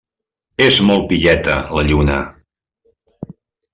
És molt pilleta, la lluna.